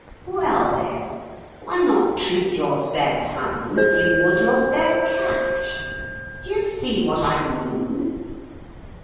Well, then, why not treat your spare time as you would your spare cash. Do you see what I mean